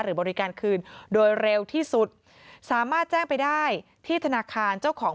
บริการคืนโดยเร็วที่สุดสามารถแจ้งไปได้ที่ธนาคารเจ้าของ